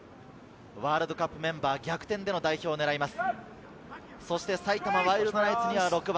ワールドカップメンバー、逆転での選出を狙います。